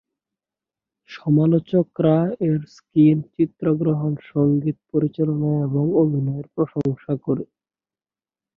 সমালোচকরা এর স্ক্রিন, চিত্রগ্রহণ, সঙ্গীত, পরিচালনা এবং অভিনয়ের প্রশংসা করে।